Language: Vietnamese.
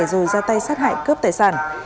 rồi ra tay sát hại cướp tài sản